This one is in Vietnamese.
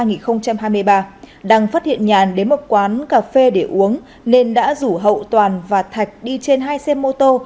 nguyễn phát hiện nhàn đến một quán cà phê để uống nên đã rủ hậu toàn và thạch đi trên hai xe mô tô